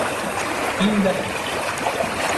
Pindaí